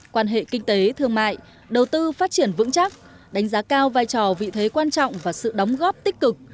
quan hệ kinh tế thương mại đầu tư phát triển vững chắc đánh giá cao vai trò vị thế quan trọng và sự đóng góp tích cực